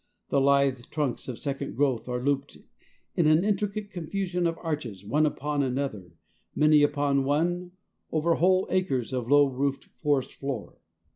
The lithe trunks of second growth are looped in an intricate confusion of arches one upon another, many upon one, over whole acres of low roofed forest floor.